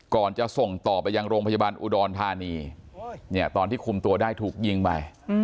ก่อนจะส่งต่อไปยังโรงพยาบาลอุดรธานีเนี่ยตอนที่คุมตัวได้ถูกยิงไป